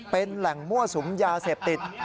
เป็นแหล่งมั่วสุมยาเสพติด